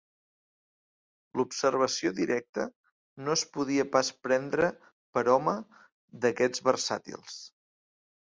L'observació directa, no es podia pas prendre per home d'aquests versàtils